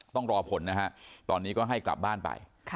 ต้องรอผลนะฮะตอนนี้ก็ให้กลับบ้านไป